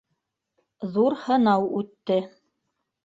Ҙур һынау үтте.